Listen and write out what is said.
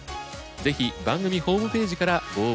ぜひ番組ホームページからご応募ください。